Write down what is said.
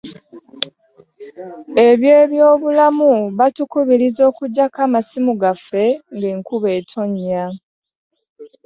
Ebye byobulamu batukubiriza okujako amasimu gaffe nga enkuba ettonya.